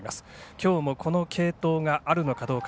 きょうもこの継投があるのかどうか。